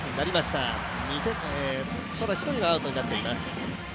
ただ、１人はアウトになっています。